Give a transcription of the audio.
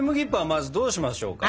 まずどうしましょうか？